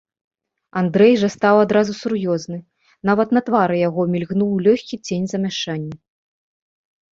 Андрэй жа стаў адразу сур'ёзны, нават на твары яго мільгнуў лёгкі цень замяшання.